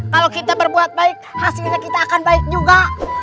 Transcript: kalau kita berbuat baik hasilnya kita akan baik juga